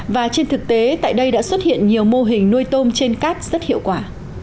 và trên thực tế tại đây đã xuất hiện nhiều mô hình nuôi tôm trên cát rất hiệu quả